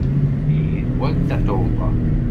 Ihi d wa i d Tatoeba.